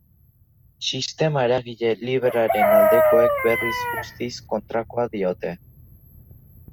Sistema eragile librearen aldekoek berriz guztiz kontrakoa diote.